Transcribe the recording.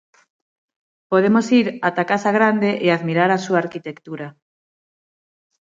Podemos ir ata a casa Grande e admirar a súa arquitectura.